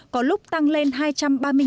có lúc tăng lên hai trăm linh đồng